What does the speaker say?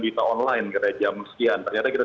berita online kira kira jam sekian ternyata kita